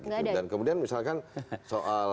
dan kemudian misalkan soal hubungan internasional